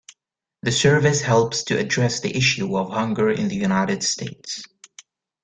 The service helps to address the issue of hunger in the United States.